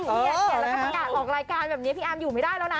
เนี่ยแล้วก็ประกาศออกรายการแบบนี้พี่อาร์มอยู่ไม่ได้แล้วนะ